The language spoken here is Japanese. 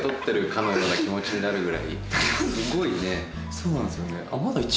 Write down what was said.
そうなんですよね